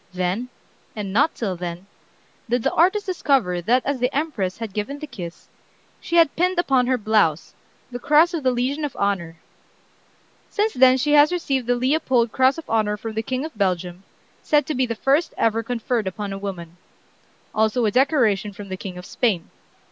Then, and not till then, did the artist discover that as the Empress had given the kiss, she had pinned upon her blouse the Cross of the Legion of Honor." Since then she has received the Leopold Cross of Honor from the King of Belgium, said to be the first ever conferred upon a woman; also a decoration from the King of Spain.